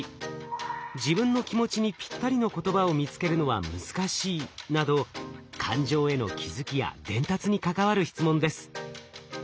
自分の気持ちにぴったりの言葉を見つけるのは難しいなど感情への気づきや伝達に関わる質問です。